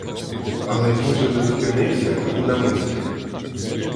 Але він же не зупинився і на мить.